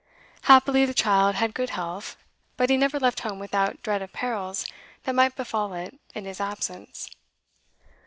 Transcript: Happily the child had good health, but he never left home without dread of perils that might befall it in his absence.